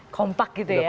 kompak gitu ya